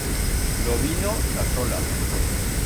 Lo vino s'asola.